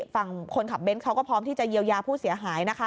ฝั่งคนขับเน้นเขาก็พร้อมที่จะเยียวยาผู้เสียหายนะคะ